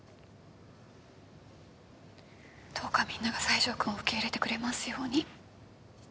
どうかみんなが西条くんを受け入れてくれますように。